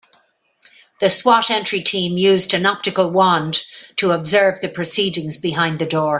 The S.W.A.T. entry team used an optical wand to observe the proceedings behind the door.